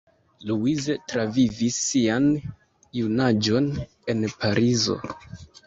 Louise travivis sian junaĝon en Parizo.